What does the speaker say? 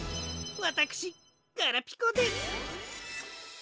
わたくしガラピコです。